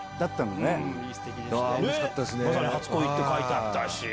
初恋って書いてあったし。